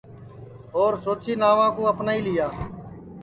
اور سوچی ناوا کُو اپنائی لیا